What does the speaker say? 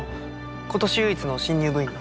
今年唯一の新入部員の？